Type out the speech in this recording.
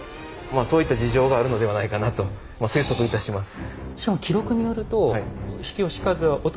まあそういった事情があるのではないかなと推測いたします。